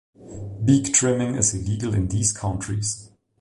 Beak trimming is illegal in these countries.